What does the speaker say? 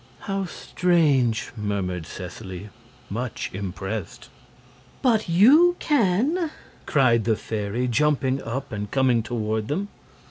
"How strange!" murmured Seseley, much impressed. "But YOU can," cried the fairy, jumping up and coming toward them.